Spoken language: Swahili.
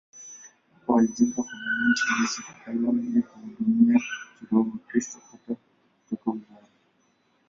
Huko walijenga konventi ya shirika lao ili kuhudumia kiroho Wakristo toka Ulaya tu.